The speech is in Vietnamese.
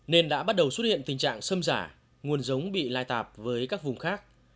nên đã bắt đầu xuất hiện tình trạng xâm giả nguồn giống bị lai tạp với các vùng khác